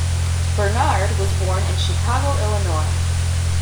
Bernard was born in Chicago, Illinois.